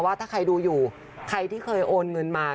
ว่าถ้าใครดูอยู่ใครที่เคยโอนเงินมา